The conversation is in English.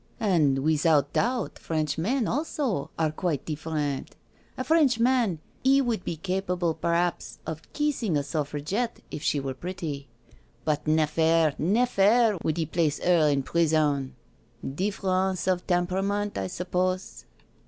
••."" And without doubt Frenchmen also are quite dif ferent. A Frenchman, he would be capable perhaps of kissing a Suffragette, if she were pretty, but nef^re, nef^re would he place her in prison. Difference of temperament, I suppose."